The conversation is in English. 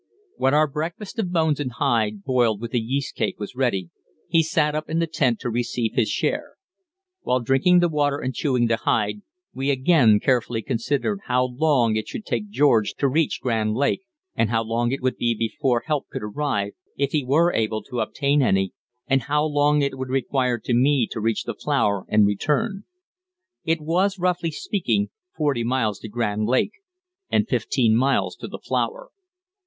When our breakfast of bones and hide boiled with a yeast cake was ready, he sat up in the tent to receive his share. While drinking the water and chewing the hide, we again carefully considered how long it should take George to reach Grand Lake, and how long it would be before help could arrive, if he were able to obtain any, and how long it would require me to reach the flour and return. It was, roughly speaking, forty miles to Grand Lake, and fifteen miles to the flour.